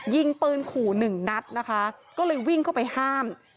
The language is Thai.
ยิงปืนขู่หนึ่งนัดนะคะก็เลยวิ่งเข้าไปห้าม